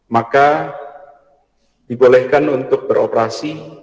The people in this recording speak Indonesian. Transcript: maka dibolehkan untuk beroperasi